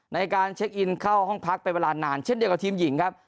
ในการเช็คอินเข้าห้องพักเป็นเวลานานเช่นเดียวกับทีมหญิงครับ